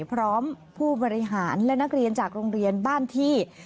ผู้บริหารและนักเรียนจากโรงเรียนบ้านที่